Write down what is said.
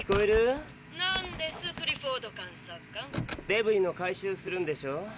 デブリの回収するんでしょ？